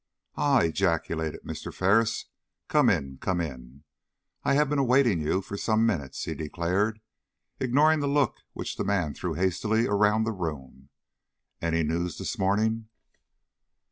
"Ah!" ejaculated Mr. Ferris, "come in, come in. I have been awaiting you for some minutes," he declared, ignoring the look which the man threw hastily around the room. "Any news this morning?"